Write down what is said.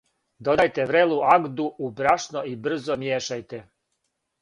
Додајте врелу агду у брашно и брзо мијешајте.